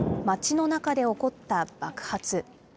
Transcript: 街の中で起こった爆発。